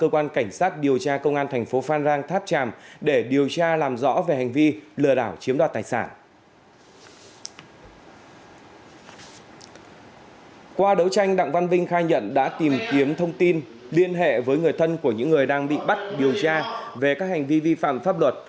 qua đấu tranh đặng văn vinh khai nhận đã tìm kiếm thông tin liên hệ với người thân của những người đang bị bắt điều tra về các hành vi vi phạm pháp luật